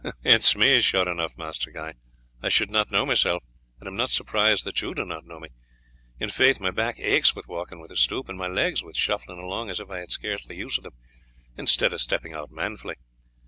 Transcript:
"It is me, sure enough, Master Guy. I should not know myself, and am not surprised that you do not know me; in faith, my back aches with walking with a stoop, and my legs with shuffling along as if I had scarce the use of them, instead of stepping out manfully.